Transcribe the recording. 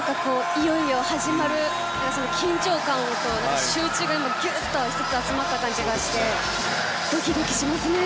いよいよ始まる緊張感と気持ちがぎゅっと１つに集まった感じがしてドキドキしますね。